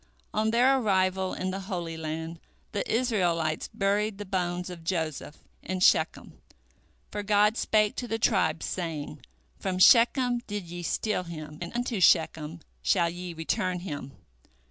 " On their arrival in the Holy Land, the Israelites buried the bones of Joseph in Shechem, for God spake to the tribes, saying, "From Shechem did ye steal him, and unto Shechem, shall ye return him."